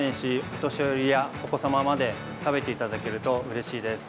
お年寄りやお子様まで食べていただけるとうれしいです。